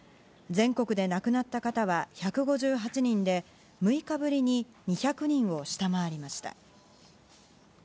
全国で亡くなった方は１５８人で６日ぶりに２００人を下回りました。